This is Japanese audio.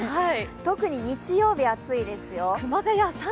特に日曜日、暑いですよ。